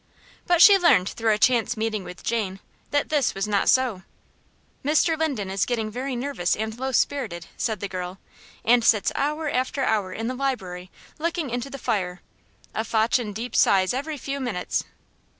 But she learned through a chance meeting with Jane, that this was not so. "Mr. Linden is getting very nervous and low spirited," said the girl, "and sits hour after hour in the library looking into the fire, a fotchin' deep sighs every few minutes.